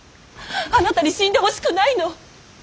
あなたに死んでほしくないの！